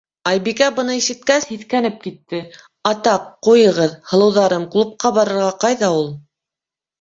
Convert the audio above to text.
Айбикә, быны ишеткәс, һиҫкәнеп китте: - Атаҡ, ҡуйығыҙ, һылыуҙарым, клубҡа барырға ҡайҙа ул...